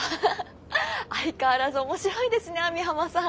相変わらず面白いですね網浜さん。